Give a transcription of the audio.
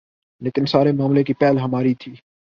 لیکن سارے معاملے کی پہل ہماری تھی۔